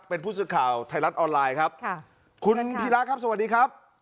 เป็นผู้สื่อข่าวไทยรัฐออนไลน์ครับค่ะคุณพีระครับสวัสดีครับ